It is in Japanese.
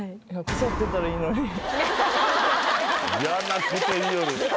嫌なこと言いよる。